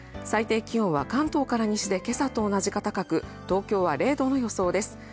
最低気温は関東から西で今朝と同じか高く東京は０度の予想です。